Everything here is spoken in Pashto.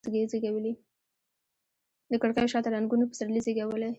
د کړکېو شاته رنګونو پسرلي زیږولي